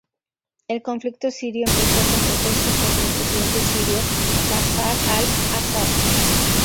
El conflicto sirio empezó con protestas contra el presidente sirio Bashar al-Asad.